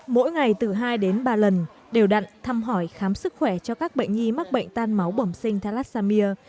mỗi ngày từ hai đến ba lần đều đặn thăm hỏi khám sức khỏe cho các bệnh nhi mắc bệnh tan máu bẩm sinh thalassemia